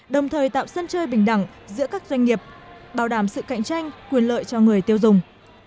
đồng thời tạo sân chơi bình đẳng giữa các doanh nghiệp bảo đảm sự cạnh tranh quyền lợi cho người tiêu dùng